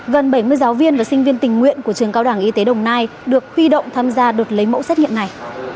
gần bảy mươi giáo viên và sinh viên tình nguyện của trường cao đẳng y tế đồng nai được huy động tham gia đợt lấy mẫu xét nghiệm này